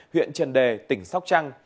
huyện trần đề tỉnh sóc trăng